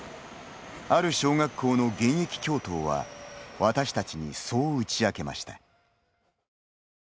ある小学校の現役教頭は私たちに、そう打ち明けました。